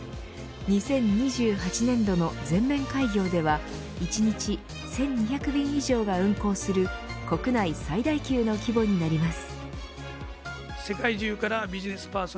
２０２８年度の全面開業では１日１２００便以上が運行する国内最大級の規模になります。